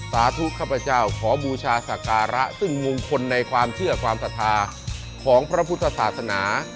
สาธุข้าพเจ้าขอบูชาศักระซึ่งมงคลในความเชื่อความศรัทธาของพระพุทธศาสนา